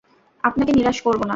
আপনাকে নিরাশ করব না।